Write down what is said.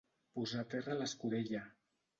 Posar terra a l'escudella.